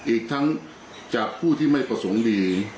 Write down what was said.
อีกทั้งจากผู้ที่ไม่ประสงค์ดี